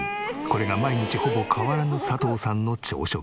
これが毎日ほぼ変わらぬ佐藤さんの朝食。